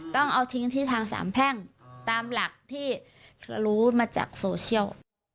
ต้องเอาทิ้งที่ทางสามแพร่งตามหลักที่รู้มาจากโซเชียล